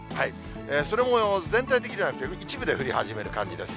それも全体的ではなくて一部で降り始める感じです。